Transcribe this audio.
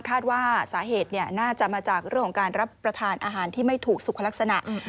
คาดว่าสาเหตุน่าจะมาจากเรื่องของการรับประทานอาหารที่ไม่ถูกสุขลักษณะ